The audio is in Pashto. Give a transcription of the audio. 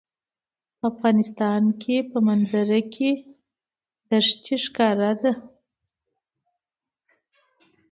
د افغانستان په منظره کې ښتې ښکاره ده.